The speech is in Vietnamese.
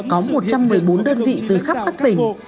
có một trăm một mươi bốn đơn vị từ khắp các tỉnh